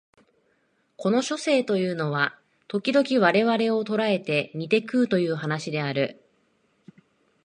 この書生というのは時々我々を捕えて煮て食うという話である